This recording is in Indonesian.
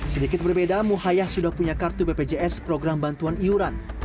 sedikit berbeda muhaya sudah punya kartu bpjs program bantuan iuran